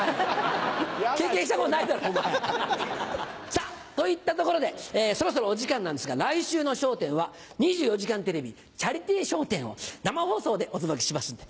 さぁといったところでそろそろお時間なんですが来週の『笑点』は『２４時間テレビ』チャリティー笑点を生放送でお届けしますので。